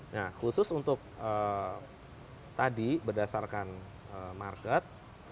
nah khusus untuk tadi berdasarkan market